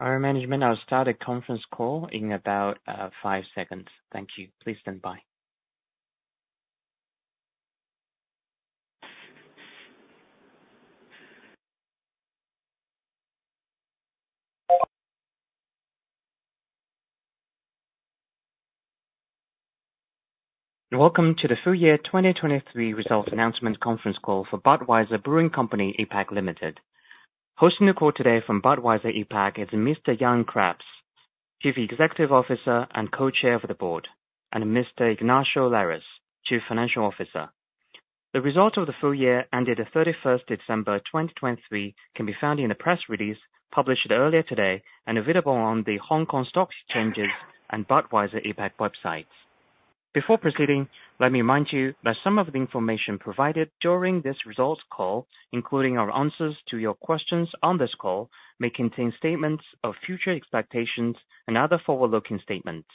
Our management will start a conference call in about 5 seconds. Thank you. Please stand by. Welcome to the full year 2023 results announcement conference call for Budweiser Brewing Company APAC Limited. Hosting the call today from Budweiser APAC is Mr. Jan Craps, Chief Executive Officer and Co-Chair of the board, and Mr. Ignacio Lares, Chief Financial Officer. The result of the full year ended 31st December 2023 can be found in the press release published earlier today and available on the Hong Kong Stock Exchange's and Budweiser APAC websites. Before proceeding, let me remind you that some of the information provided during this results call, including our answers to your questions on this call, may contain statements of future expectations and other forward-looking statements.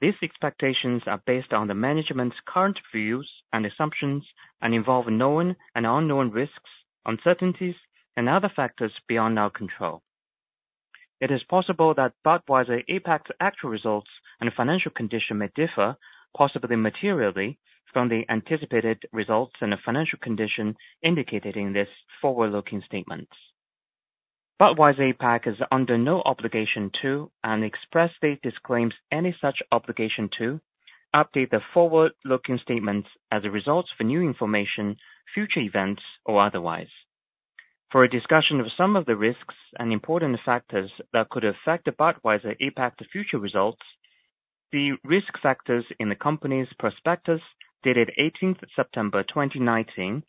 These expectations are based on the management's current views and assumptions and involve known and unknown risks, uncertainties, and other factors beyond our control. It is possible that Budweiser APAC's actual results and financial condition may differ, possibly materially, from the anticipated results and the financial condition indicated in this forward-looking statements. Budweiser APAC is under no obligation to and expressly disclaims any such obligation to update the forward-looking statements as a result of new information, future events, or otherwise. For a discussion of some of the risks and important factors that could affect the Budweiser APAC future results, the risk factors in the company's prospectus, dated 18 September 2019,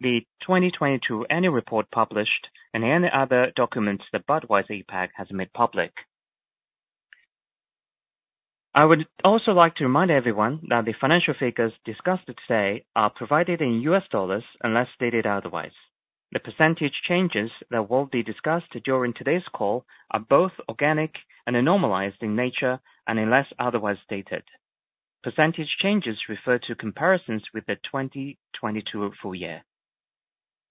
the 2022 annual report published, and any other documents that Budweiser APAC has made public. I would also like to remind everyone that the financial figures discussed today are provided in U.S. dollars, unless stated otherwise. The percentage changes that will be discussed during today's call are both organic and normalized in nature, unless otherwise stated. Percentage changes refer to comparisons with the 2022 full year.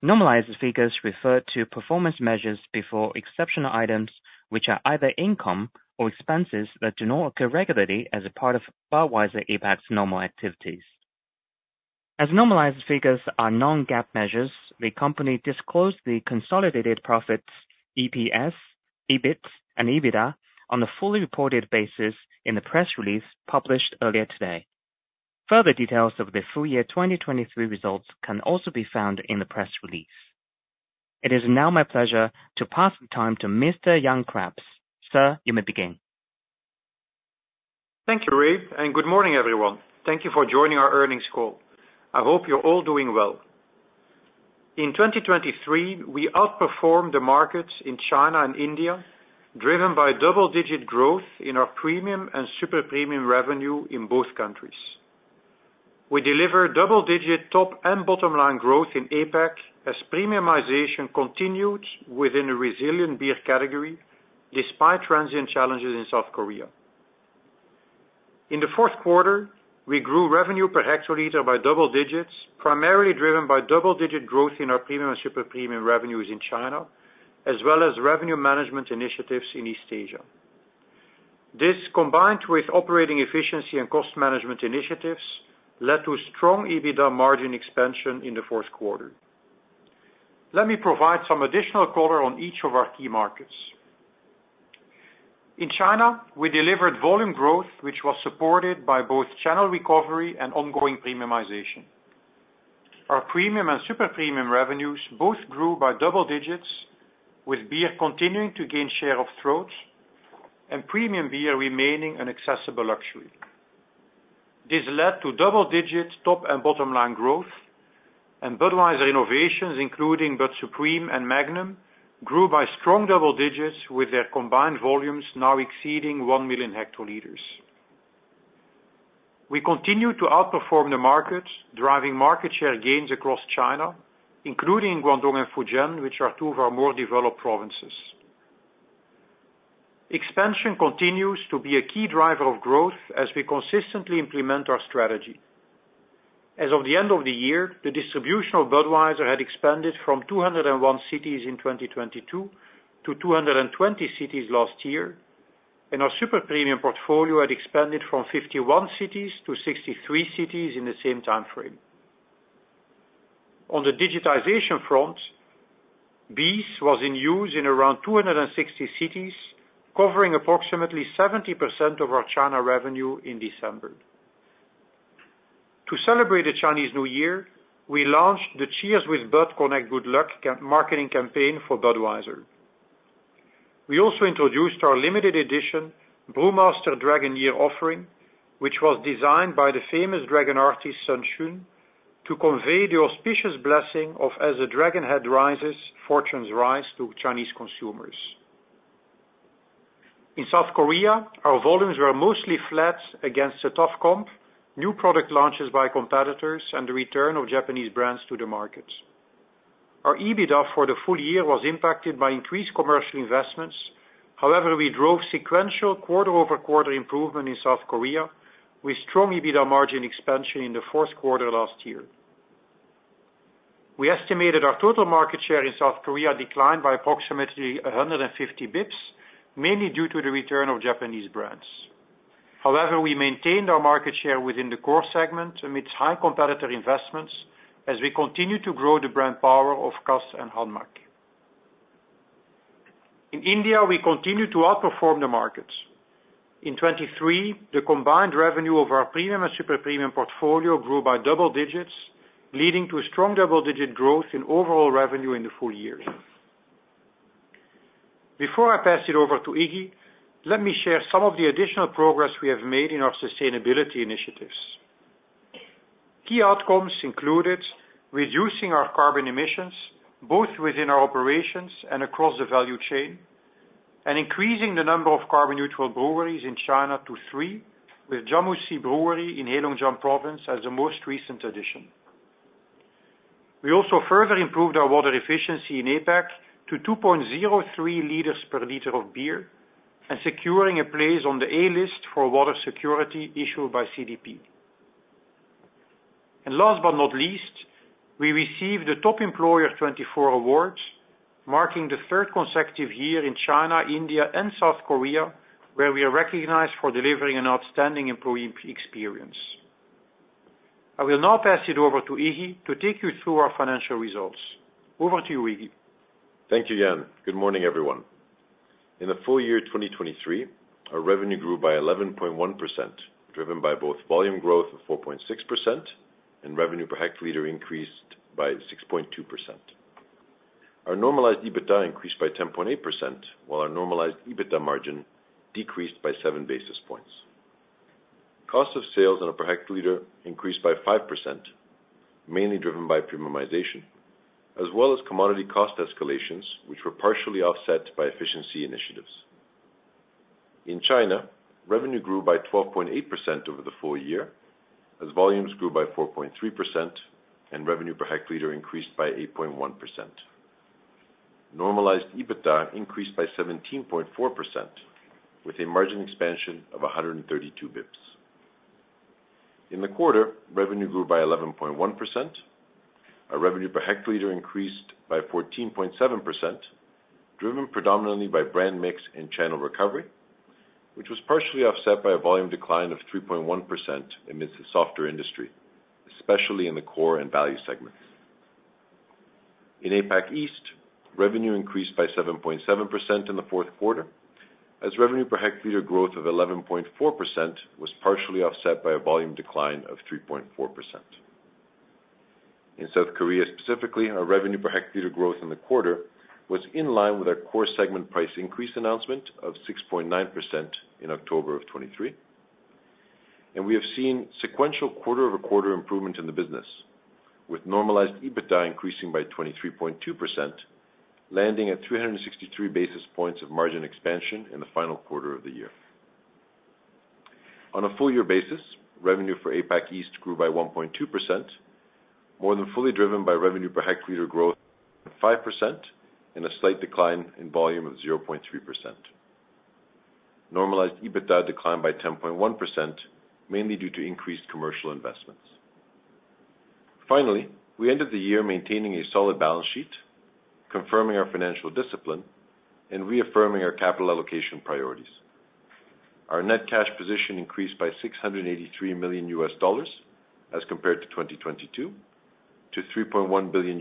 Normalized figures refer to performance measures before exceptional items, which are either income or expenses that do not occur regularly as a part of Budweiser APAC's normal activities. As normalized figures are non-GAAP measures, the company disclosed the consolidated profits, EPS, EBIT and EBITDA on a fully reported basis in the press release published earlier today. Further details of the full year 2023 results can also be found in the press release. It is now my pleasure to pass the time to Mr. Jan Craps. Sir, you may begin. Thank you, Ray, and good morning, everyone. Thank you for joining our earnings call. I hope you're all doing well. In 2023, we outperformed the market in China and India, driven by double-digit growth in our premium and super-premium revenue in both countries. We delivered double-digit top and bottom line growth in APAC as premiumization continued within a resilient beer category, despite transient challenges in South Korea. In the fourth quarter, we grew revenue per hectoliter by double digits, primarily driven by double-digit growth in our premium and super-premium revenues in China, as well as revenue management initiatives in East Asia. This, combined with operating efficiency and cost management initiatives, led to strong EBITDA margin expansion in the fourth quarter. Let me provide some additional color on each of our key markets. In China, we delivered volume growth, which was supported by both channel recovery and ongoing premiumization. Our premium and super-premium revenues both grew by double digits, with beer continuing to gain share of throat and premium beer remaining an accessible luxury. This led to double digits top and bottom line growth, and Budweiser innovations, including Bud Supreme and Magnum, grew by strong double digits, with their combined volumes now exceeding 1 million hectoliters. We continue to outperform the market, driving market share gains across China, including Guangdong and Fujian, which are two of our more developed provinces. Expansion continues to be a key driver of growth as we consistently implement our strategy. As of the end of the year, the distribution of Budweiser had expanded from 201 cities in 2022 to 220 cities last year, and our super-premium portfolio had expanded from 51 cities to 63 cities in the same time frame. On the digitization front, BEES was in use in around 260 cities, covering approximately 70% of our China revenue in December. To celebrate the Chinese New Year, we launched the Cheers with Bud Connect Good Luck marketing campaign for Budweiser. We also introduced our limited edition Brewmaster Dragon Year offering, which was designed by the famous dragon artist, Sun Xun, to convey the auspicious blessing of as the Dragon head rises, fortunes rise to Chinese consumers. In South Korea, our volumes were mostly flat against the tough comp, new product launches by competitors, and the return of Japanese brands to the market. Our EBITDA for the full year was impacted by increased commercial investments. However, we drove sequential quarter-over-quarter improvement in South Korea, with strong EBITDA margin expansion in the fourth quarter last year. We estimated our total market share in South Korea declined by approximately 150 bips, mainly due to the return of Japanese brands. However, we maintained our market share within the core segment amidst high competitor investments as we continue to grow the brand power of Cass and HANMAC. In India, we continue to outperform the markets. In 2023, the combined revenue of our premium and super premium portfolio grew by double digits, leading to strong double-digit growth in overall revenue in the full year. Before I pass it over to Iggy, let me share some of the additional progress we have made in our sustainability initiatives. Key outcomes included reducing our carbon emissions, both within our operations and across the value chain, and increasing the number of carbon neutral breweries in China to three, with Jiamusi Brewery in Heilongjiang Province as the most recent addition. We also further improved our water efficiency in APAC to 2.03 liters per liter of beer, and securing a place on the A List for water security issued by CDP. Last but not least, we received the Top Employer 2024 award, marking the third consecutive year in China, India, and South Korea, where we are recognized for delivering an outstanding employee experience. I will now pass it over to Iggy to take you through our financial results. Over to you, Iggy. Thank you, Jan. Good morning, everyone. In the full year 2023, our revenue grew by 11.1%, driven by both volume growth of 4.6% and revenue per hectoliter increased by 6.2%. Our normalized EBITDA increased by 10.8%, while our normalized EBITDA margin decreased by 7 basis points. Cost of sales on a per hectoliter increased by 5%, mainly driven by premiumization, as well as commodity cost escalations, which were partially offset by efficiency initiatives. In China, revenue grew by 12.8% over the full year, as volumes grew by 4.3% and revenue per hectoliter increased by 8.1%. Normalized EBITDA increased by 17.4%, with a margin expansion of 132 basis points. In the quarter, revenue grew by 11.1%. Our revenue per hectoliter increased by 14.7%, driven predominantly by brand mix and channel recovery, which was partially offset by a volume decline of 3.1% amidst the softer industry, especially in the core and value segments. In APAC East, revenue increased by 7.7% in the fourth quarter, as revenue per hectoliter growth of 11.4% was partially offset by a volume decline of 3.4%. In South Korea, specifically, our revenue per hectoliter growth in the quarter was in line with our core segment price increase announcement of 6.9% in October of 2023. We have seen sequential quarter-over-quarter improvement in the business, with normalized EBITDA increasing by 23.2%, landing at 363 basis points of margin expansion in the final quarter of the year. On a full year basis, revenue for APAC East grew by 1.2%, more than fully driven by revenue per hectoliter growth of 5% and a slight decline in volume of 0.3%. Normalized EBITDA declined by 10.1%, mainly due to increased commercial investments. Finally, we ended the year maintaining a solid balance sheet, confirming our financial discipline and reaffirming our capital allocation priorities. Our net cash position increased by $683 million as compared to 2022, to $3.1 billion.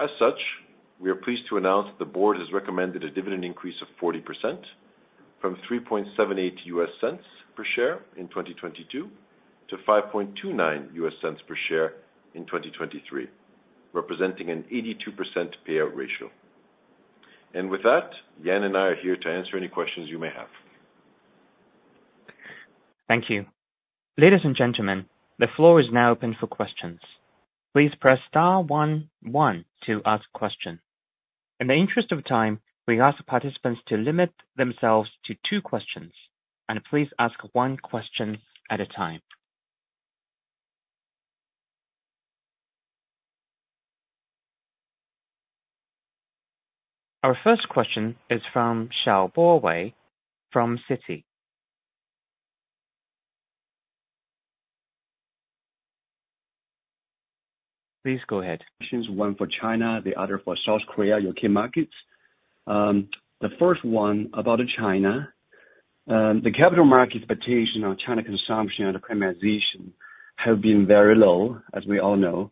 As such, we are pleased to announce the board has recommended a dividend increase of 40% from $0.0378 per share in 2022 to $0.0529 per share in 2023, representing an 82% payout ratio. With that, Jan and I are here to answer any questions you may have. Thank you. Ladies and gentlemen, the floor is now open for questions. Please press star one one to ask a question. In the interest of time, we ask participants to limit themselves to two questions, and please ask one question at a time. Our first question is from Xiaopo Wei from Citi. Please go ahead. Questions, one for China, the other for South Korea, your key markets. The first one about China. The capital market expectation on China consumption and premiumization have been very low, as we all know.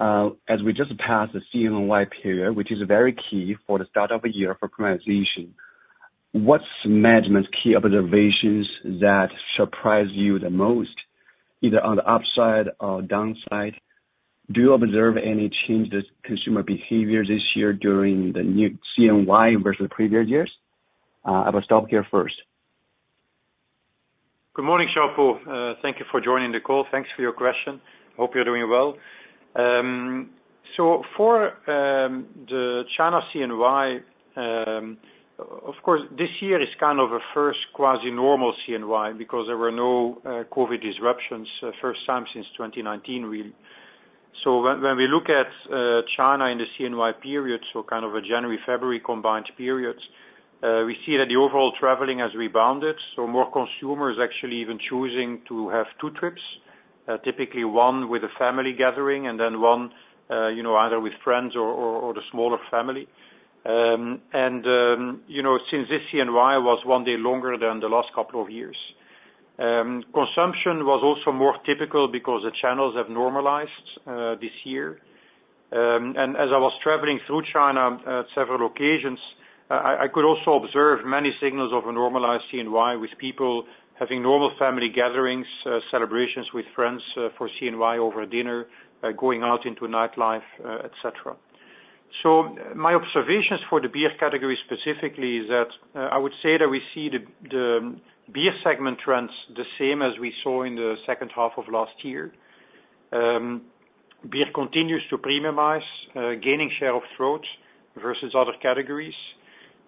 As we just passed the CNY period, which is very key for the start of a year for premiumization, what's management's key observations that surprise you the most, either on the upside or downside? Do you observe any change in consumer behavior this year during the new CNY versus previous years? I will stop here first. Good morning, Xiaopo. Thank you for joining the call. Thanks for your question. Hope you're doing well. So for the China CNY, of course, this year is kind of a first quasi-normal CNY because there were no COVID disruptions, first time since 2019, really. So when we look at China in the CNY period, so kind of a January, February combined period. We see that the overall traveling has rebounded, so more consumers actually even choosing to have two trips, typically one with a family gathering and then one, you know, either with friends or the smaller family. You know, since this CNY was one day longer than the last couple of years. Consumption was also more typical because the channels have normalized this year. And as I was traveling through China, on several occasions, I could also observe many signals of a normalized CNY with people having normal family gatherings, celebrations with friends, for CNY over a dinner, going out into nightlife, et cetera. So my observations for the beer category specifically is that, I would say that we see the beer segment trends the same as we saw in the second half of last year. Beer continues to premiumize, gaining share of throat versus other categories.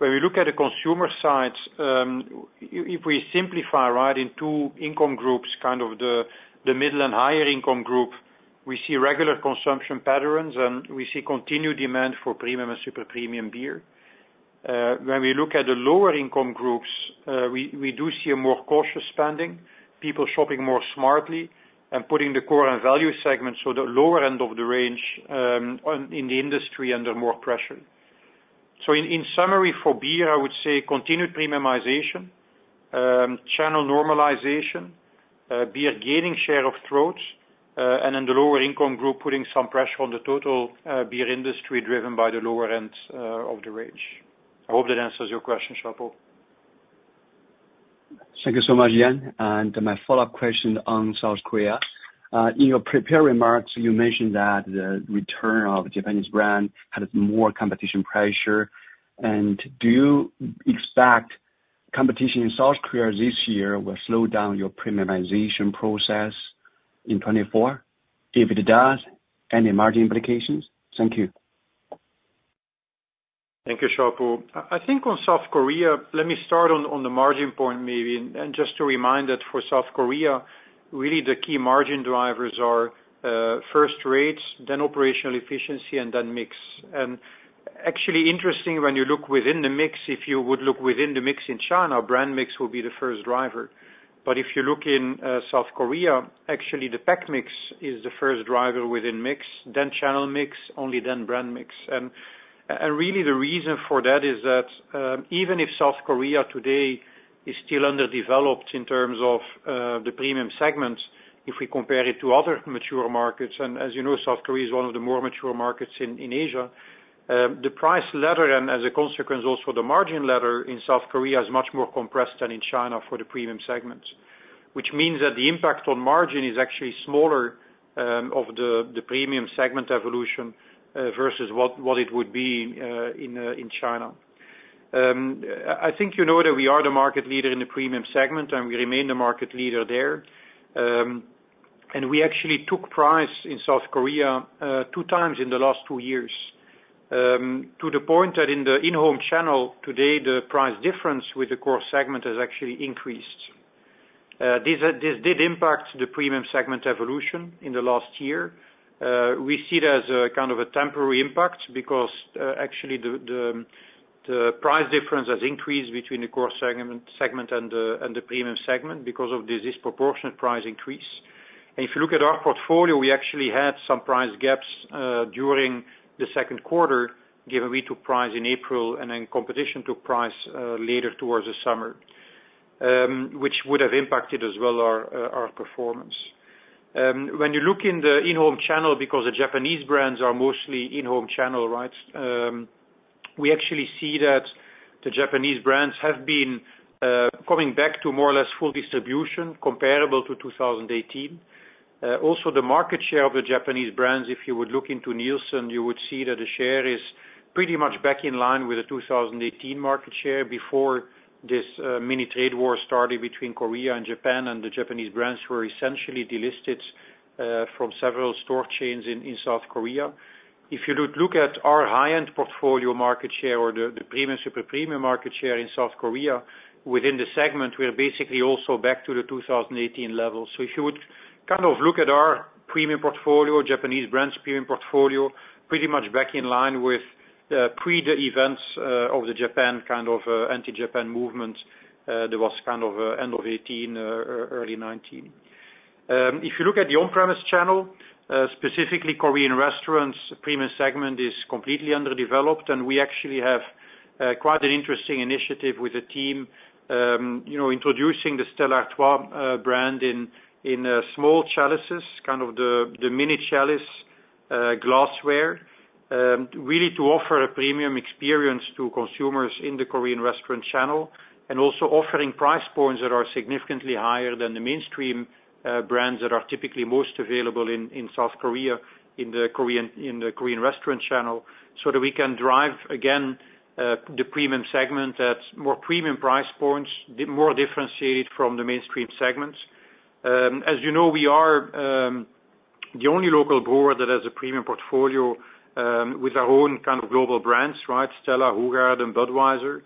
When we look at the consumer side, if we simplify, right, in two income groups, kind of the middle and higher income group, we see regular consumption patterns, and we see continued demand for premium and super premium beer. When we look at the lower income groups, we do see a more cautious spending, people shopping more smartly and putting the core and value segment, so the lower end of the range, on, in the industry under more pressure. So in summary, for beer, I would say continued premiumization, channel normalization, beer gaining share of throat, and in the lower income group, putting some pressure on the total beer industry, driven by the lower end of the range. I hope that answers your question, Xiaopo. Thank you so much, Jan. My follow-up question on South Korea. In your prepared remarks, you mentioned that the return of Japanese brand had more competition pressure. Do you expect competition in South Korea this year will slow down your premiumization process in 2024? If it does, any margin implications? Thank you. Thank you, Xiaopo. I think on South Korea, let me start on the margin point maybe. And just to remind that for South Korea, really the key margin drivers are first rates, then operational efficiency, and then mix. And actually interesting, when you look within the mix, if you would look within the mix in China, brand mix will be the first driver. But if you look in South Korea, actually the pack mix is the first driver within mix, then channel mix, only then brand mix. And really the reason for that is that even if South Korea today is still underdeveloped in terms of the premium segments, if we compare it to other mature markets, and as you know, South Korea is one of the more mature markets in Asia. The price ladder, and as a consequence, also the margin ladder in South Korea is much more compressed than in China for the premium segments. Which means that the impact on margin is actually smaller, of the premium segment evolution, versus what it would be in China. I think you know that we are the market leader in the premium segment, and we remain the market leader there. And we actually took price in South Korea two times in the last two years. To the point that in the in-home channel today, the price difference with the core segment has actually increased. This did impact the premium segment evolution in the last year. We see it as a kind of a temporary impact because actually the price difference has increased between the core segment and the premium segment because of this disproportionate price increase. And if you look at our portfolio, we actually had some price gaps during the second quarter, given we took price in April, and then competition took price later towards the summer, which would have impacted as well our performance. When you look in the in-home channel, because the Japanese brands are mostly in-home channel, right? We actually see that the Japanese brands have been coming back to more or less full distribution, comparable to 2018. Also, the market share of the Japanese brands, if you would look into Nielsen, you would see that the share is pretty much back in line with the 2018 market share before this mini trade war started between Korea and Japan, and the Japanese brands were essentially delisted from several store chains in South Korea. If you would look at our high-end portfolio market share or the premium, super premium market share in South Korea, within the segment, we are basically also back to the 2018 level. So if you would kind of look at our premium portfolio, Japanese brands premium portfolio, pretty much back in line with pre the events of the Japan kind of anti-Japan movement. There was kind of end of 2018 early 2019. If you look at the on-premise channel, specifically Korean restaurants, premium segment is completely underdeveloped, and we actually have quite an interesting initiative with the team, you know, introducing the Stella Artois brand in small chalices, kind of the mini chalice glassware. Really to offer a premium experience to consumers in the Korean restaurant channel, and also offering price points that are significantly higher than the mainstream brands that are typically most available in South Korea, in the Korean restaurant channel, so that we can drive again the premium segment at more premium price points, more differentiated from the mainstream segments. As you know, we are the only local brewer that has a premium portfolio with our own kind of global brands, right? Stella, Hoegaarden, Budweiser.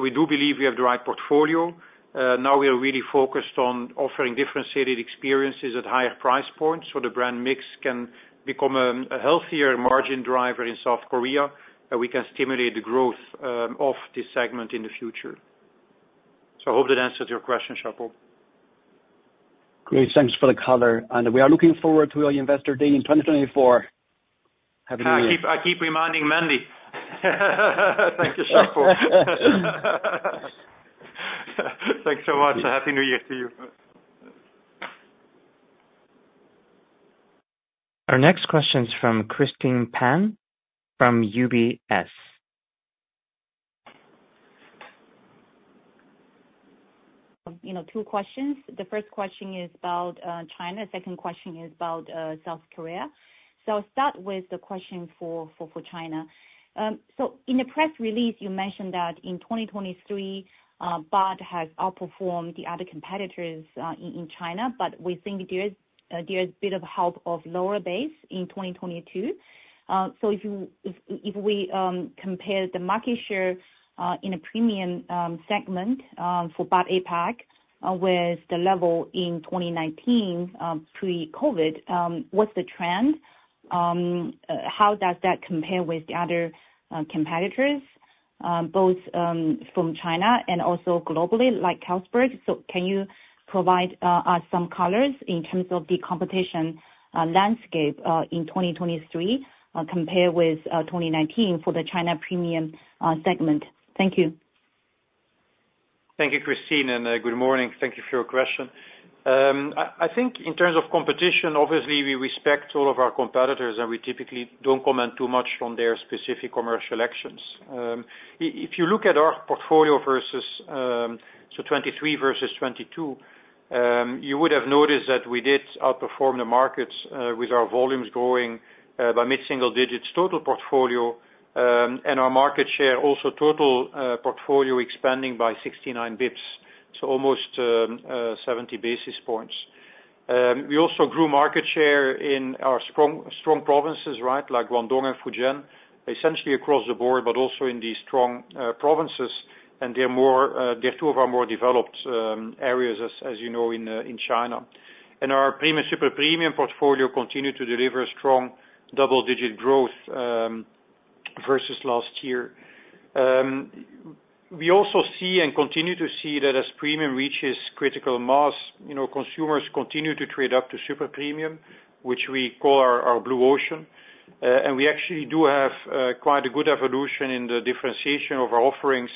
We do believe we have the right portfolio. Now we are really focused on offering differentiated experiences at higher price points, so the brand mix can become a healthier margin driver in South Korea, and we can stimulate the growth of this segment in the future. I hope that answers your question, Xiaopo.... Great, thanks for the color, and we are looking forward to your investor day in 2024. Happy New Year! I keep reminding Mandy. Thank you, Xiaopo. Thanks so much, and Happy New Year to you. Our next question's from Christine Peng, from UBS. You know, two questions. The first question is about China. Second question is about South Korea. So I'll start with the question for China. So in the press release, you mentioned that in 2023, BUD has outperformed the other competitors in China, but we think there is a bit of help of lower base in 2022. So if we compare the market share in a premium segment for BUD APAC with the level in 2019, pre-COVID, what's the trend? How does that compare with the other competitors, both from China and also globally, like Carlsberg? Can you provide us some colors in terms of the competition landscape in 2023, compare with 2019 for the China premium segment? Thank you. Thank you, Christine, and good morning. Thank you for your question. I think in terms of competition, obviously, we respect all of our competitors, and we typically don't comment too much on their specific commercial actions. If you look at our portfolio versus so 2023 versus 2022, you would have noticed that we did outperform the markets with our volumes growing by mid-single digits total portfolio, and our market share, also total, portfolio expanding by 69 basis points, so almost 70 basis points. We also grew market share in our strong provinces, right? Like Guangdong and Fujian, essentially across the board, but also in these strong provinces, and they're more, they're two of our more developed areas, as you know, in China. Our premium, super premium portfolio continued to deliver strong double-digit growth versus last year. We also see and continue to see that as premium reaches critical mass, you know, consumers continue to trade up to super premium, which we call our, our Blue Ocean. And we actually do have quite a good evolution in the differentiation of our offerings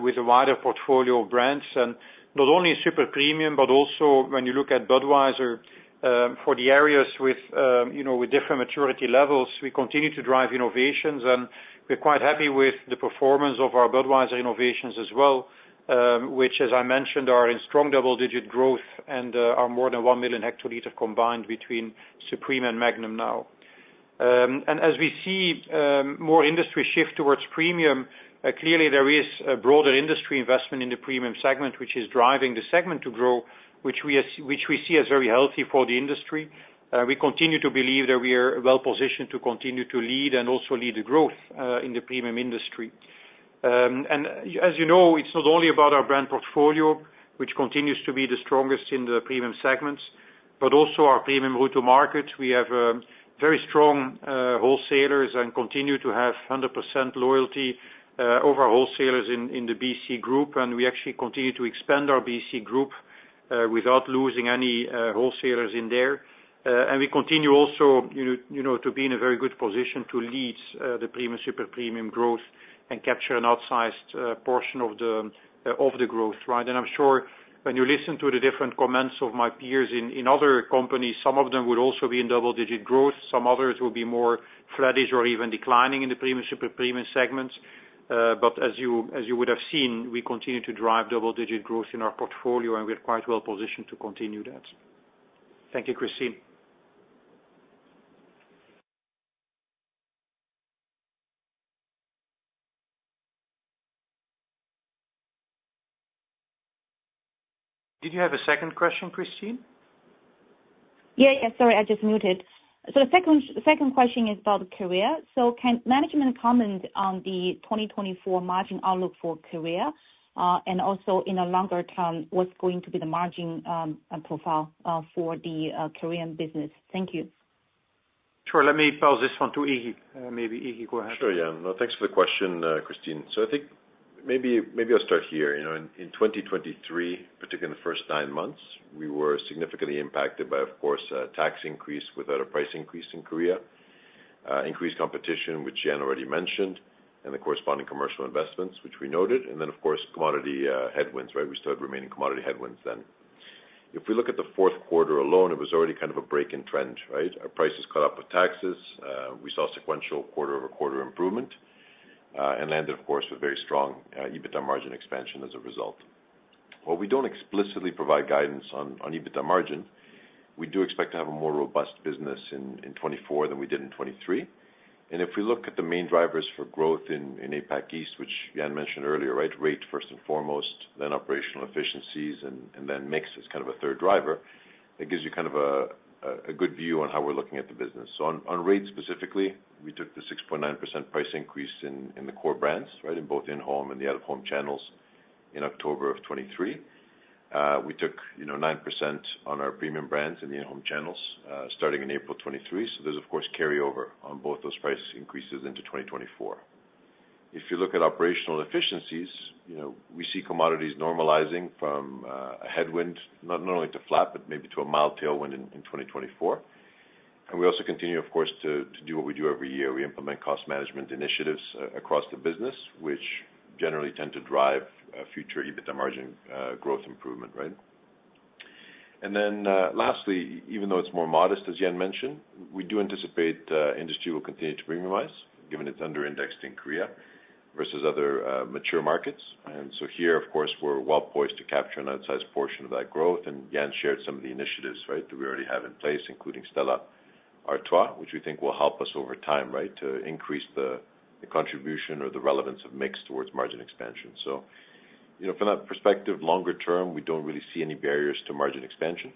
with a wider portfolio of brands, and not only super premium, but also when you look at Budweiser, for the areas with, you know, with different maturity levels, we continue to drive innovations, and we're quite happy with the performance of our Budweiser innovations as well, which, as I mentioned, are in strong double-digit growth and are more than 1 million hectoliter combined between Supreme and Magnum now. And as we see more industry shift towards premium, clearly there is a broader industry investment in the premium segment, which is driving the segment to grow, which we see as very healthy for the industry. We continue to believe that we are well positioned to continue to lead and also lead the growth in the premium industry. As you know, it's not only about our brand portfolio, which continues to be the strongest in the premium segments, but also our premium go-to-market. We have very strong wholesalers and continue to have 100% loyalty over our wholesalers in the BC Group, and we actually continue to expand our BC Group without losing any wholesalers in there. And we continue also, you, you know, to be in a very good position to lead the premium, super premium growth and capture an outsized portion of the, of the growth, right? And I'm sure when you listen to the different comments of my peers in, in other companies, some of them would also be in double-digit growth, some others will be more flattish or even declining in the premium, super premium segments. But as you, as you would have seen, we continue to drive double-digit growth in our portfolio, and we're quite well positioned to continue that. Thank you, Christine. Did you have a second question, Christine? Yeah, yeah, sorry, I just muted. So the second question is about Korea. So can management comment on the 2024 margin outlook for Korea? And also in the longer term, what's going to be the margin profile for the Korean business? Thank you. Sure. Let me pass this one to Iggy. Maybe Iggy, go ahead. Sure, Jan. Well, thanks for the question, Christine. So I think maybe, maybe I'll start here. You know, in 2023, particularly in the first nine months, we were significantly impacted by, of course, a tax increase without a price increase in Korea, increased competition, which Jan already mentioned, and the corresponding commercial investments, which we noted, and then, of course, commodity headwinds, right? We still had remaining commodity headwinds then. If we look at the fourth quarter alone, it was already kind of a break in trend, right? Our prices caught up with taxes, we saw sequential quarter-over-quarter improvement, and landed, of course, with very strong EBITDA margin expansion as a result. While we don't explicitly provide guidance on EBITDA margin, we do expect to have a more robust business in 2024 than we did in 2023. If we look at the main drivers for growth in APAC East, which Jan mentioned earlier, right? Rates, first and foremost, then operational efficiencies, and then mix is kind of a third driver. It gives you kind of a good view on how we're looking at the business. So on rates specifically, we took the 6.9% price increase in the core brands, right? In both in-home and the out-of-home channels in October of 2023. We took, you know, 9% on our premium brands in the in-home channels, starting in April 2023. So there's, of course, carryover on both those price increases into 2024. If you look at operational efficiencies, you know, we see commodities normalizing from a headwind, not only to flat, but maybe to a mild tailwind in 2024. And we also continue, of course, to do what we do every year. We implement cost management initiatives across the business, which generally tend to drive future EBITDA margin growth improvement, right? And then, lastly, even though it's more modest, as Jan mentioned, we do anticipate industry will continue to premiumize, given it's under-indexed in Korea versus other mature markets. And so here, of course, we're well poised to capture an outsized portion of that growth. And Jan shared some of the initiatives, right, that we already have in place, including Stella Artois, which we think will help us over time, right, to increase the contribution or the relevance of mix towards margin expansion. So, you know, from that perspective, longer term, we don't really see any barriers to margin expansion.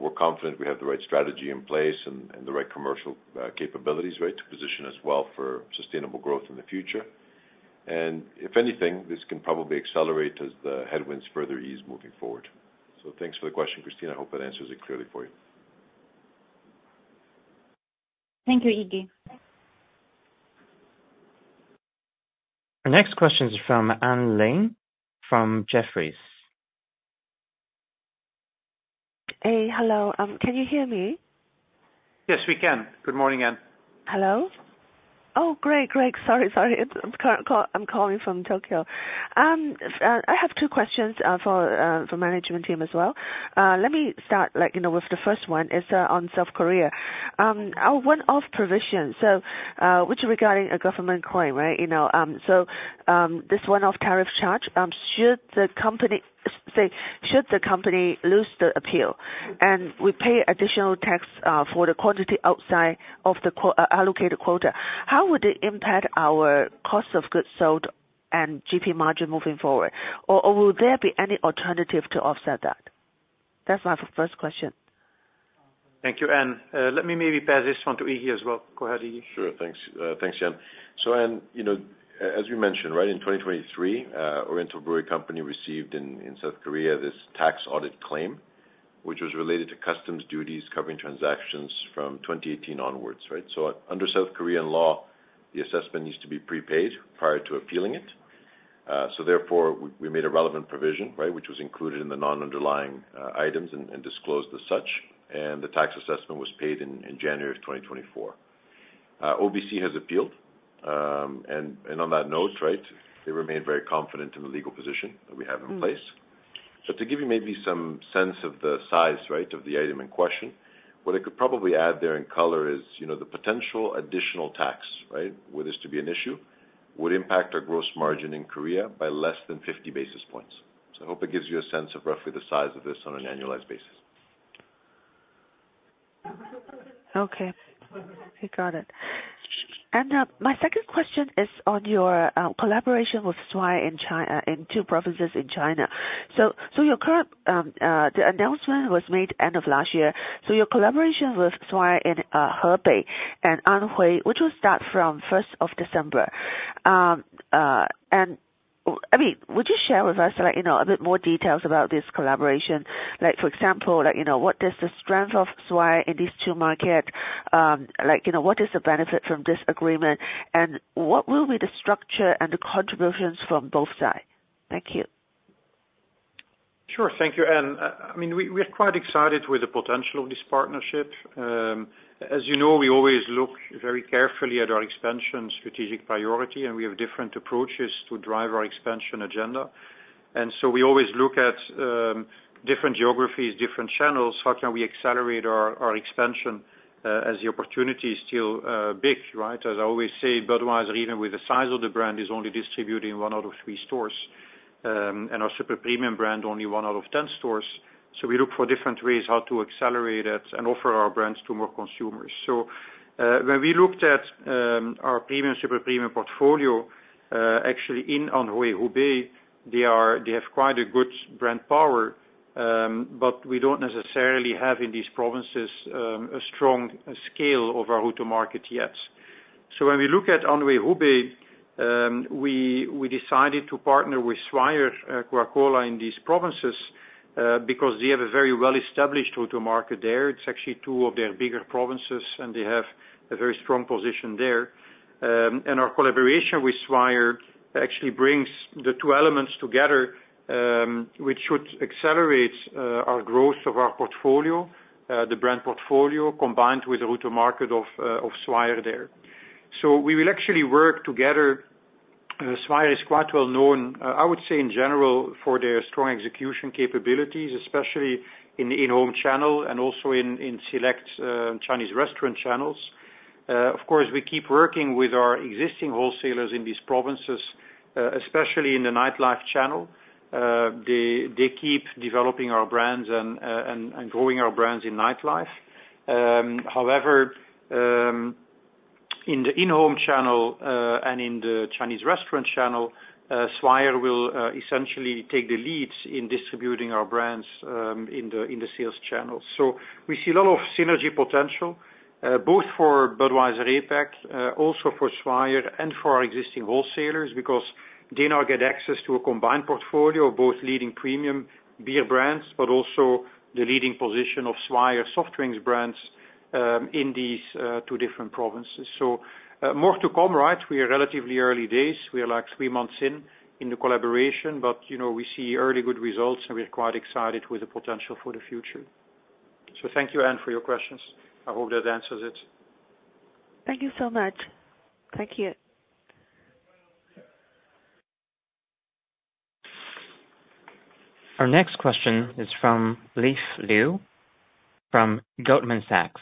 We're confident we have the right strategy in place and the right commercial capabilities, right, to position us well for sustainable growth in the future. And if anything, this can probably accelerate as the headwinds further ease moving forward. So thanks for the question, Christine. I hope that answers it clearly for you. Thank you, Iggy. Our next question is from Anne Ling, from Jefferies. Hey, hello. Can you hear me? Yes, we can. Good morning, Anne. Hello? Oh, great, great. Sorry, sorry. I'm calling from Tokyo. I have two questions for management team as well. Let me start, like, you know, with the first one, is on South Korea. Our one-off provision, so, which regarding a government claim, right? You know, so, this one-off tariff charge, should the company lose the appeal, and we pay additional tax for the quantity outside of the allocated quota, how would it impact our cost of goods sold and GP margin moving forward? Or will there be any alternative to offset that? That's my first question. Thank you, Anne. Let me maybe pass this one to Iggy as well. Go ahead, Iggy. Sure, thanks. Thanks, Jan. So Anne, you know, as we mentioned, right, in 2023, Oriental Brewery Company received in South Korea, this tax audit claim, which was related to customs duties covering transactions from 2018 onwards, right? So under South Korean law, the assessment needs to be prepaid prior to appealing it. So therefore, we made a relevant provision, right, which was included in the non-underlying items and disclosed as such, and the tax assessment was paid in January of 2024. OBC has appealed, and on that note, right, they remain very confident in the legal position that we have in place. So to give you maybe some sense of the size, right, of the item in question, what I could probably add there in color is, you know, the potential additional tax, right, were this to be an issue, would impact our gross margin in Korea by less than 50 basis points. So I hope it gives you a sense of roughly the size of this on an annualized basis. Okay. I got it. And my second question is on your collaboration with Swire in China, in two provinces in China. So your current, the announcement was made end of last year. So your collaboration with Swire in Hubei and Anhui, which will start from first of December. I mean, would you share with us, like, you know, a bit more details about this collaboration? Like, for example, like, you know, what is the strength of Swire in these two market? Like, you know, what is the benefit from this agreement? And what will be the structure and the contributions from both sides? Thank you. Sure. Thank you, Anne. I mean, we, we are quite excited with the potential of this partnership. As you know, we always look very carefully at our expansion strategic priority, and we have different approaches to drive our expansion agenda. And so we always look at, different geographies, different channels. How can we accelerate our, our expansion, as the opportunity is still, big, right? As I always say, Budweiser, even with the size of the brand, is only distributed in one out of three stores. And our super premium brand, only one out of ten stores. So we look for different ways how to accelerate it and offer our brands to more consumers. So, when we looked at our premium, super premium portfolio, actually, in Anhui, Hubei, they have quite a good brand power, but we don't necessarily have in these provinces a strong scale of our go-to-market yet. So when we look at Anhui, Hubei, we decided to partner with Swire Coca-Cola in these provinces, because they have a very well-established go-to-market there. It's actually two of their bigger provinces, and they have a very strong position there. And our collaboration with Swire actually brings the two elements together, which should accelerate our growth of our portfolio, the brand portfolio, combined with the go-to-market of Swire there. So we will actually work together. Swire is quite well known, I would say, in general, for their strong execution capabilities, especially in the in-home channel and also in, in select, Chinese restaurant channels. Of course, we keep working with our existing wholesalers in these provinces, especially in the nightlife channel. They keep developing our brands and, and growing our brands in nightlife. However, in the in-home channel, and in the Chinese restaurant channel, Swire will essentially take the leads in distributing our brands, in the sales channels. So we see a lot of synergy potential, both for Budweiser APAC, also for Swire and for our existing wholesalers, because they now get access to a combined portfolio of both leading premium beer brands, but also the leading position of Swire soft drinks brands.... in these two different provinces. So, more to come, right? We are relatively early days. We are like three months in the collaboration, but, you know, we see early good results, and we are quite excited with the potential for the future. So thank you, Anne, for your questions. I hope that answers it. Thank you so much. Thank you. Our next question is from Leaf Liu from Goldman Sachs.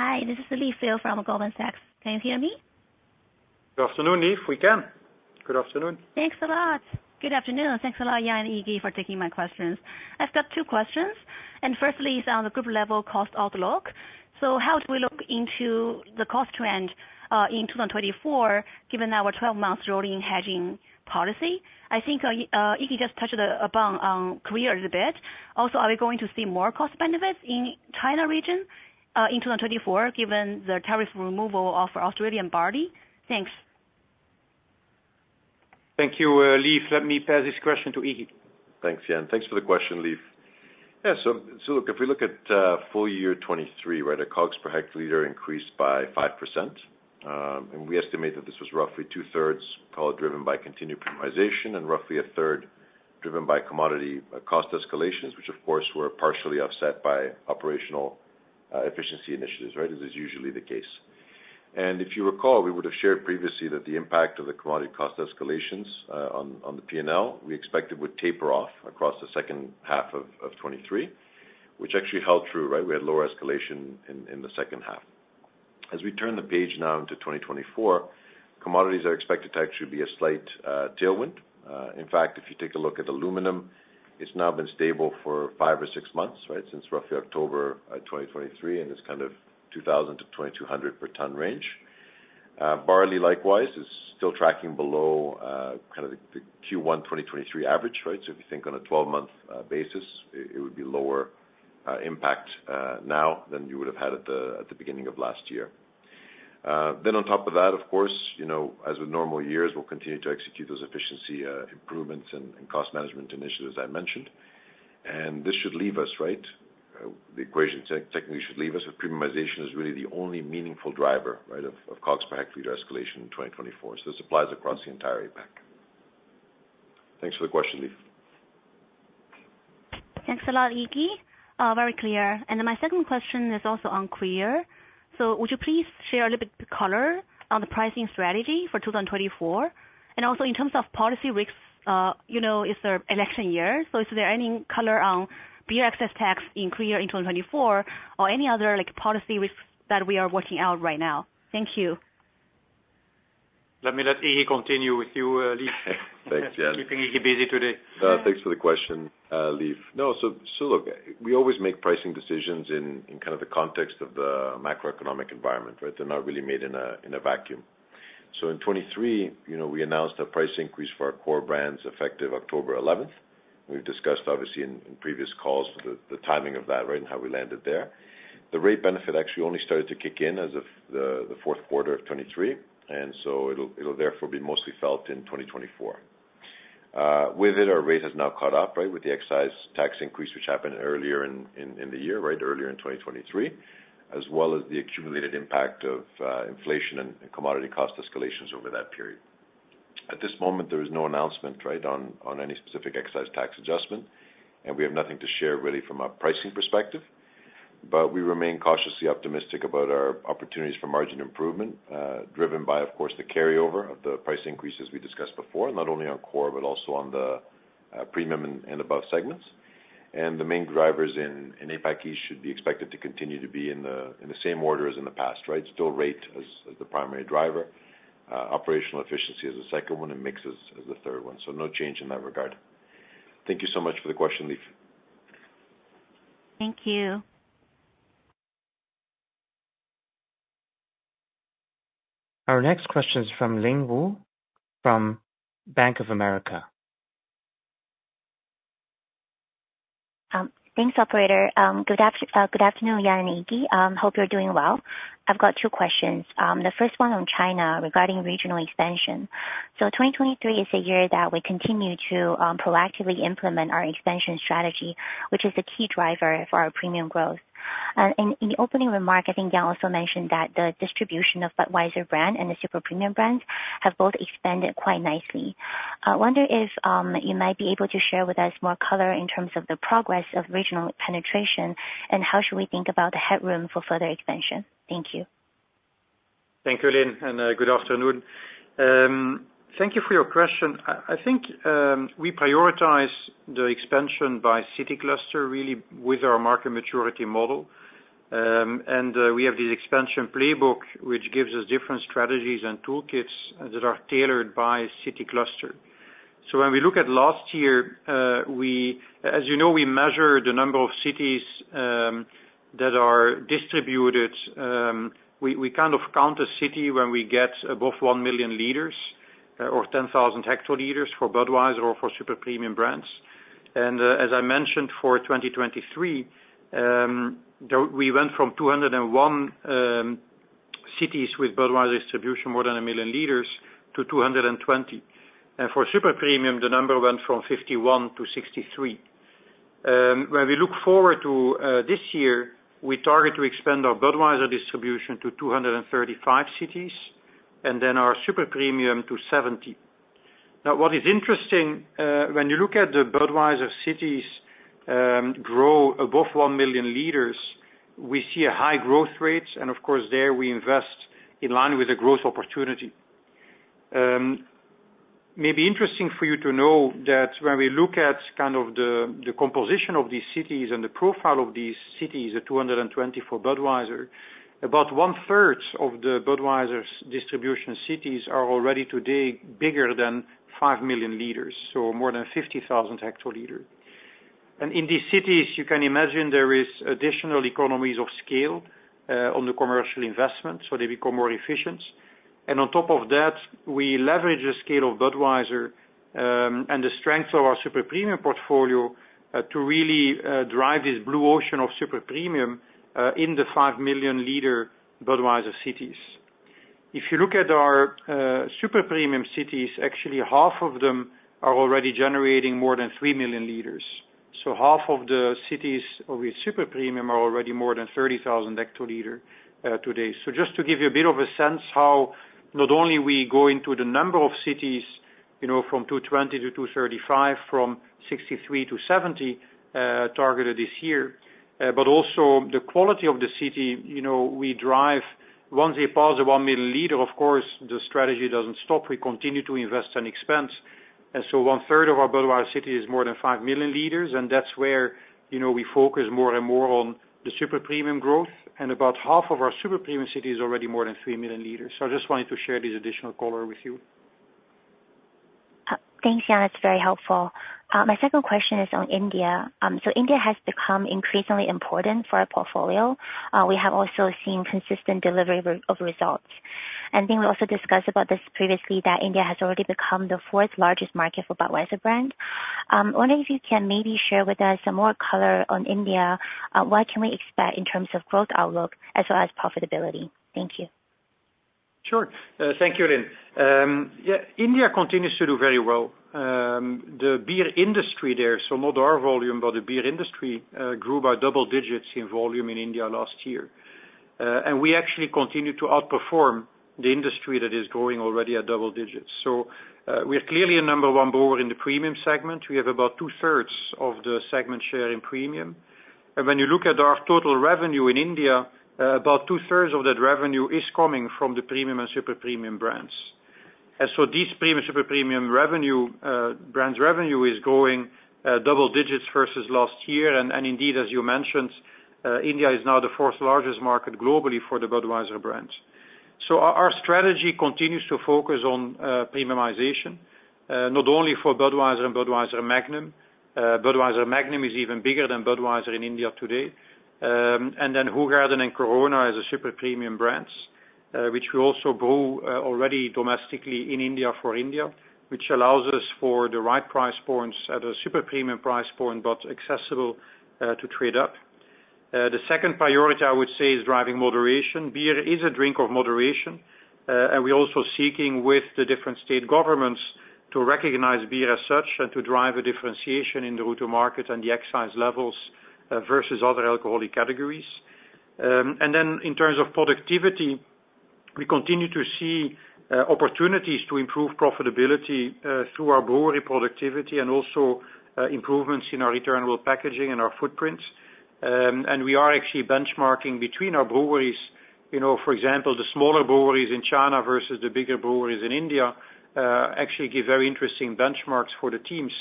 Hi, this is Leaf Liu from Goldman Sachs. Can you hear me? Good afternoon, Leaf. We can. Good afternoon. Thanks a lot. Good afternoon, and thanks a lot, Jan and Igi, for taking my questions. I've got two questions, and firstly, it's on the group level cost outlook. So how do we look into the cost trend in 2024, given our 12-month rolling hedging policy? I think Igi just touched upon Korea a little bit. Also, are we going to see more cost benefits in China region in 2024, given the tariff removal of Australian barley? Thanks. Thank you, Leaf. Let me pass this question to Iggy. Thanks, Jan. Thanks for the question, Leaf. Yeah, so, so look, if we look at full year 2023, right, our COGS per hectoliter increased by 5%. And we estimate that this was roughly two-thirds, probably driven by continued premiumization and roughly a third driven by commodity cost escalations, which of course, were partially offset by operational efficiency initiatives, right? This is usually the case. And if you recall, we would have shared previously that the impact of the commodity cost escalations on the P&L, we expected would taper off across the second half of 2023, which actually held true, right? We had lower escalation in the second half. As we turn the page now into 2024, commodities are expected to actually be a slight tailwind. In fact, if you take a look at aluminum, it's now been stable for five or six months, right? Since roughly October 2023, and it's kind of 2000-2200 per ton range. Barley, likewise, is still tracking below kind of the Q1 2023 average, right? So if you think on a 12-month basis, it would be lower impact now than you would have had at the beginning of last year. Then on top of that, of course, you know, as with normal years, we'll continue to execute those efficiency improvements and cost management initiatives I mentioned, and this should leave us, right? The equation technically should leave us with premiumization is really the only meaningful driver, right, of COGS per hectoliter escalation in 2024. So this applies across the entire APAC. Thanks for the question, Leaf. Thanks a lot, Iggy. Very clear. Then my second question is also on China. So would you please share a little bit color on the pricing strategy for 2024? And also in terms of policy risks, you know, it's an election year, so is there any color on beer excise tax increase in 2024 or any other, like, policy risks that we are working out right now? Thank you. Let me let Iggy continue with you, Leaf. Thanks, Jan. Keeping Iggy busy today. Thanks for the question, Leaf. No, so look, we always make pricing decisions in kind of the context of the macroeconomic environment, right? They're not really made in a vacuum. So in 2023, you know, we announced a price increase for our core brands, effective October 11. We've discussed, obviously, in previous calls, the timing of that, right, and how we landed there. The rate benefit actually only started to kick in as of the fourth quarter of 2023, and so it'll therefore be mostly felt in 2024. With it, our rate has now caught up, right, with the excise tax increase, which happened earlier in the year, right, earlier in 2023, as well as the accumulated impact of inflation and commodity cost escalations over that period. At this moment, there is no announcement, right, on any specific excise tax adjustment, and we have nothing to share really from a pricing perspective. But we remain cautiously optimistic about our opportunities for margin improvement, driven by, of course, the carryover of the price increases we discussed before, not only on core, but also on the premium and above segments. And the main drivers in APAC should be expected to continue to be in the same order as in the past, right? Still rate as the primary driver, operational efficiency as the second one, and mix as the third one. So no change in that regard. Thank you so much for the question, Leaf. Thank you. Our next question is from Ling Wu, from Bank of America. Thanks, operator. Good afternoon, Jan and Iggy. Hope you're doing well. I've got two questions. The first one on China, regarding regional expansion. So 2023 is a year that we continue to proactively implement our expansion strategy, which is a key driver for our premium growth. In the opening remark, I think Jan also mentioned that the distribution of Budweiser brand and the Super Premium brands have both expanded quite nicely. I wonder if you might be able to share with us more color in terms of the progress of regional penetration, and how should we think about the headroom for further expansion? Thank you. Thank you, Ling, and good afternoon. Thank you for your question. I think we prioritize the expansion by city cluster, really, with our market maturity model. We have this expansion playbook, which gives us different strategies and toolkits that are tailored by city cluster. So when we look at last year, as you know, we measure the number of cities that are distributed. We kind of count a city when we get above 1 million liters or 10,000 hectoliters for Budweiser or for Super Premium brands. As I mentioned, for 2023, we went from 201 cities with Budweiser distribution more than 1 million liters to 220. And for Super Premium, the number went from 51 to 63. When we look forward to this year, we target to expand our Budweiser distribution to 235 cities, and then our super premium to 70. Now, what is interesting, when you look at the Budweiser cities grow above 1 million liters, we see a high growth rate, and of course, there we invest in line with the growth opportunity. Maybe interesting for you to know that when we look at kind of the composition of these cities and the profile of these cities, the 220 for Budweiser, about one third of the Budweiser's distribution cities are already today bigger than 5 million liters, so more than 50,000 hectoliter. And in these cities, you can imagine there is additional economies of scale on the commercial investment, so they become more efficient. On top of that, we leverage the scale of Budweiser and the strength of our super premium portfolio to really drive this blue ocean of super premium in the 5 million liter Budweiser cities. If you look at our super premium cities, actually, half of them are already generating more than 3 million liters. So half of the cities with super premium are already more than 30,000 hectoliter today. So just to give you a bit of a sense how not only we go into the number of cities, you know, from 220 to 235, from 63 to 70 targeted this year, but also the quality of the city, you know, we drive once they pass the 1 million liter, of course, the strategy doesn't stop. We continue to invest and expense. So one third of our Budweiser city is more than 5 million liters, and that's where, you know, we focus more and more on the super premium growth. About half of our super premium city is already more than 3 million liters. So I just wanted to share this additional color with you. Thanks, Jan, that's very helpful. My second question is on India. So India has become increasingly important for our portfolio. We have also seen consistent delivery of results. I think we also discussed about this previously, that India has already become the fourth largest market for Budweiser brand. Wondering if you can maybe share with us some more color on India, what can we expect in terms of growth outlook as well as profitability? Thank you. Sure. Thank you, Ling. Yeah, India continues to do very well. The beer industry there, so not our volume, but the beer industry, grew by double digits in volume in India last year. And we actually continued to outperform the industry that is growing already at double digits. So, we are clearly a number one brewer in the premium segment. We have about two-thirds of the segment share in premium. And when you look at our total revenue in India, about two-thirds of that revenue is coming from the premium and super premium brands. And so this premium, super premium revenue, brand's revenue is growing, double digits versus last year. And indeed, as you mentioned, India is now the fourth largest market globally for the Budweiser brand. So our strategy continues to focus on premiumization, not only for Budweiser and Budweiser Magnum. Budweiser Magnum is even bigger than Budweiser in India today. And then Hoegaarden and Corona as a super premium brands, which we also grow already domestically in India, for India, which allows us for the right price points at a super premium price point, but accessible, to trade up. The second priority, I would say, is driving moderation. Beer is a drink of moderation, and we're also seeking with the different state governments to recognize beer as such and to drive a differentiation in the go-to-market and the excise levels, versus other alcoholic categories. Then in terms of productivity, we continue to see opportunities to improve profitability through our brewery productivity and also improvements in our returnable packaging and our footprints. We are actually benchmarking between our breweries. You know, for example, the smaller breweries in China versus the bigger breweries in India actually give very interesting benchmarks for the teams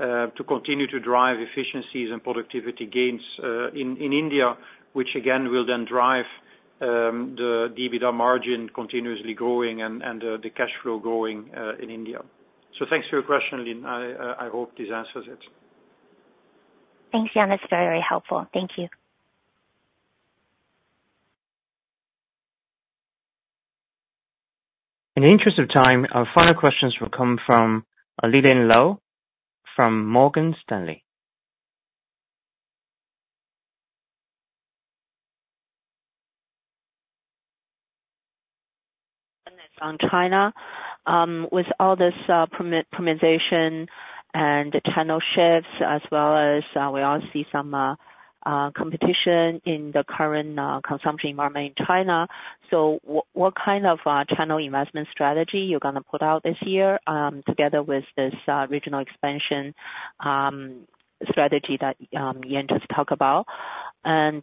to continue to drive efficiencies and productivity gains in India, which again will then drive the EBITDA margin continuously growing and the cash flow growing in India. So thanks for your question, Ling. I hope this answers it. Thanks, Jan. That's very helpful. Thank you. In the interest of time, our final questions will come from, Lillian Lou from Morgan Stanley. ... On China. With all this premiumization and the channel shifts, as well as, we all see some competition in the current consumption environment in China. So what kind of channel investment strategy you're gonna put out this year, together with this regional expansion strategy that you just talked about? And,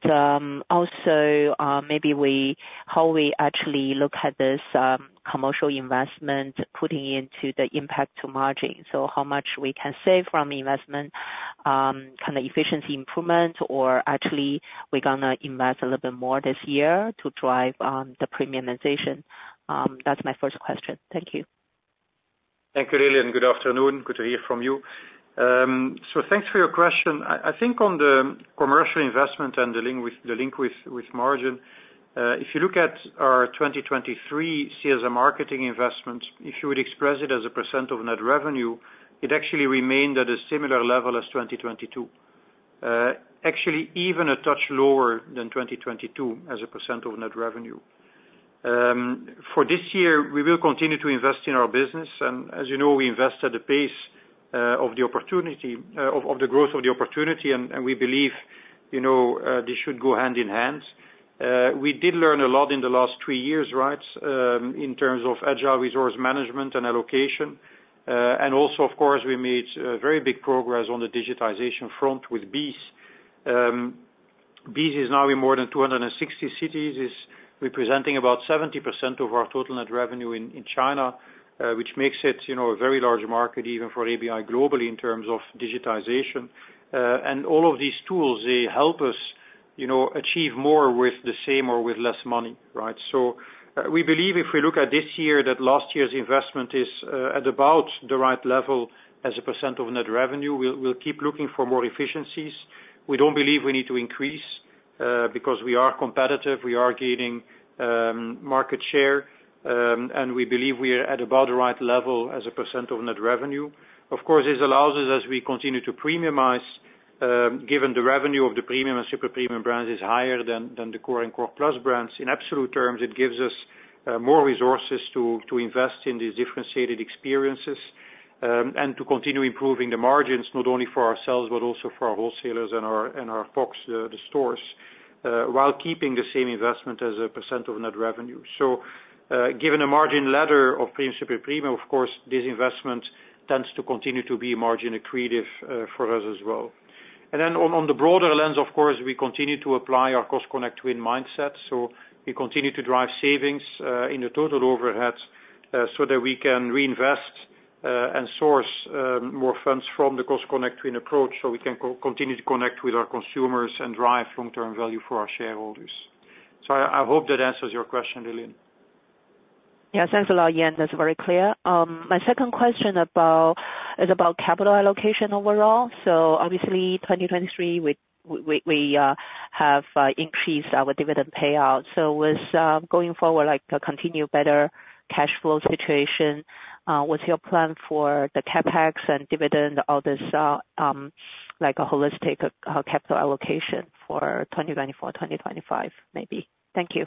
also, maybe how we actually look at this commercial investment, putting into the impact to margin. So how much we can save from investment kind of efficiency improvement, or actually, we're gonna invest a little bit more this year to drive the premiumization? That's my first question. Thank you. Thank you, Lillian. Good afternoon. Good to hear from you. So thanks for your question. I, I think on the commercial investment and the link with, the link with, with margin, if you look at our 2023 CSM marketing investment, if you would express it as a percent of net revenue, it actually remained at a similar level as 2022. Actually even a touch lower than 2022 as a percent of net revenue. For this year, we will continue to invest in our business, and as you know, we invest at the pace of the opportunity, of the growth of the opportunity, and we believe, you know, this should go hand in hand. We did learn a lot in the last three years, right? In terms of agile resource management and allocation. And also, of course, we made very big progress on the digitization front with Beast. Beast is now in more than 260 cities, is representing about 70% of our total net revenue in China, which makes it, you know, a very large market, even for ABI globally, in terms of digitization. And all of these tools, they help us, you know, achieve more with the same or with less money, right? So we believe if we look at this year, that last year's investment is at about the right level as a percent of net revenue. We'll keep looking for more efficiencies. We don't believe we need to increase, because we are competitive, we are gaining market share, and we believe we are at about the right level as a percent of net revenue. Of course, this allows us, as we continue to premiumize, given the revenue of the premium and super premium brands is higher than the core and core plus brands. In absolute terms, it gives us more resources to invest in these differentiated experiences, and to continue improving the margins, not only for ourselves, but also for our wholesalers and our folks, the stores, while keeping the same investment as a percent of net revenue. So, given the margin ladder of premium, super premium, of course, this investment tends to continue to be margin accretive, for us as well. And then on the broader lens, of course, we continue to apply our Cost-Connect-Win mindset. So we continue to drive savings in the total overheads, so that we can reinvest and source more funds from the Cost-Connect-Win approach, so we can continue to connect with our consumers and drive long-term value for our shareholders. So I hope that answers your question, Lillian. Yeah, thanks a lot, Jan. That's very clear. My second question about-- is about capital allocation overall. So obviously, 2023, we have increased our dividend payout. So with going forward, like, continue better cash flow situation, what's your plan for the CapEx and dividend, all this, like a holistic capital allocation for 2024, 2025, maybe? Thank you.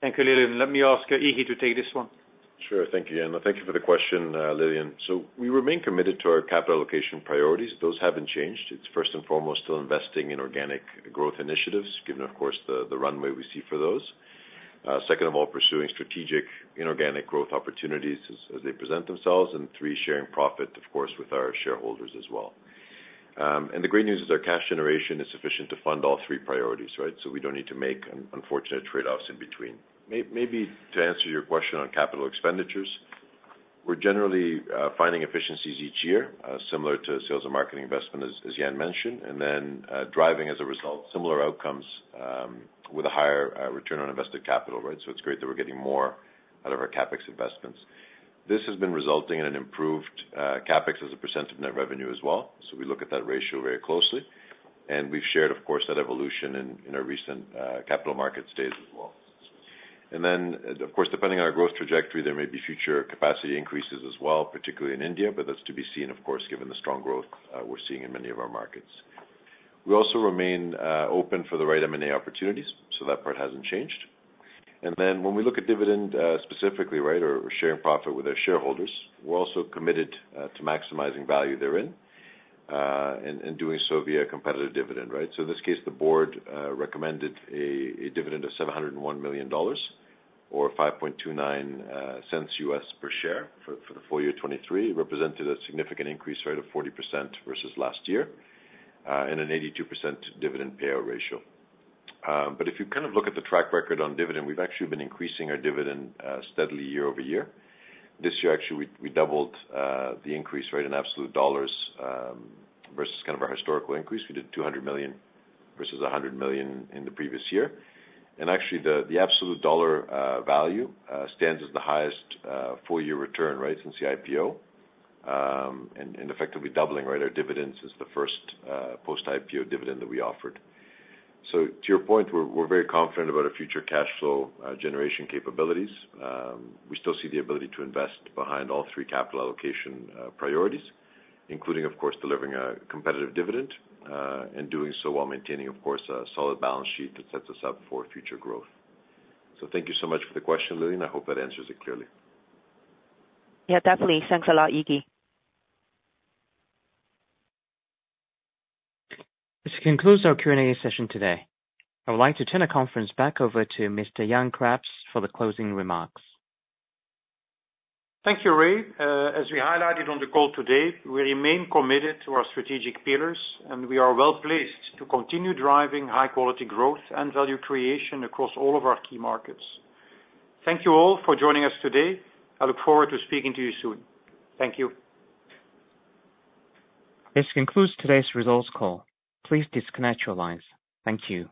Thank you, Lillian. Let me ask Iggy to take this one. Sure. Thank you, Jan, thank you for the question, Lillian. So we remain committed to our capital allocation priorities. Those haven't changed. It's first and foremost, still investing in organic growth initiatives, given, of course, the runway we see for those. Second of all, pursuing strategic inorganic growth opportunities as they present themselves, and three, sharing profit, of course, with our shareholders as well. And the great news is our cash generation is sufficient to fund all three priorities, right? So we don't need to make unfortunate trade-offs in between. Maybe to answer your question on capital expenditures, we're generally finding efficiencies each year similar to sales and marketing investment, as Jan mentioned, and then driving, as a result, similar outcomes with a higher return on invested capital, right? So it's great that we're getting more out of our CapEx investments. This has been resulting in an improved CapEx as a percent of net revenue as well. So we look at that ratio very closely, and we've shared, of course, that evolution in our recent capital markets days as well. And then, of course, depending on our growth trajectory, there may be future capacity increases as well, particularly in India, but that's to be seen, of course, given the strong growth we're seeing in many of our markets. We also remain open for the right M&A opportunities, so that part hasn't changed. And then when we look at dividend specifically, right, or sharing profit with our shareholders, we're also committed to maximizing value therein and doing so via competitive dividend, right? So in this case, the board recommended a dividend of $701 million or $0.0529 per share for the full year 2023, represented a significant increase rate of 40% versus last year, and an 82% dividend payout ratio. But if you kind of look at the track record on dividend, we've actually been increasing our dividend steadily year-over-year. This year, actually, we doubled the increase rate in absolute dollars versus kind of our historical increase. We did $200 million versus $100 million in the previous year. And actually, the absolute dollar value stands as the highest full-year return, right, since the IPO. And effectively doubling, right, our dividends is the first post-IPO dividend that we offered. So to your point, we're very confident about our future cash flow generation capabilities. We still see the ability to invest behind all three capital allocation priorities, including, of course, delivering a competitive dividend, and doing so while maintaining, of course, a solid balance sheet that sets us up for future growth. So thank you so much for the question, Lillian. I hope that answers it clearly. Yeah, definitely. Thanks a lot, Iggy. This concludes our Q&A session today. I would like to turn the conference back over to Mr. Jan Craps for the closing remarks. Thank you, Ray. As we highlighted on the call today, we remain committed to our strategic pillars, and we are well-placed to continue driving high quality growth and value creation across all of our key markets. Thank you all for joining us today. I look forward to speaking to you soon. Thank you. This concludes today's results call. Please disconnect your lines. Thank you.